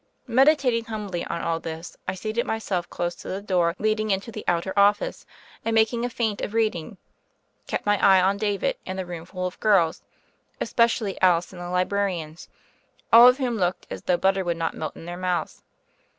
Meditating humbly on all this, I seated my self close to the door leading into the outer of fice, and, making a feint of reading, kept my eye on David and the roomful of girls — especially Alice and the librarians — all of whom looked as though butter would not melt in their mouths.